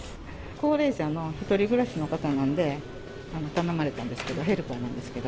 高齢者の１人暮らしの方なんで、頼まれたんですけど、ヘルパーなんですけど。